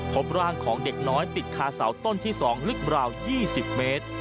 พบร่างของเด็กน้อยติดคาเสาต้นที่๒ลึกราว๒๐เมตร